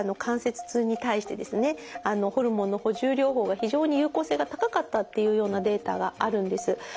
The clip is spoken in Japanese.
ホルモンの補充療法が非常に有効性が高かったっていうようなデータがあるんです。